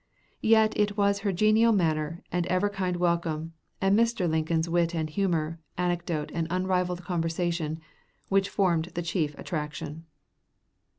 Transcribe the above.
Yet it was her genial manner and ever kind welcome, and Mr. Lincoln's wit and humor, anecdote and unrivaled conversation, which formed the chief attraction."